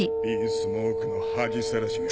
スモークの恥さらしが。